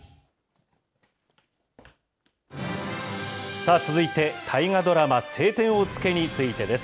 さあ続いて、大河ドラマ、青天を衝けについてです。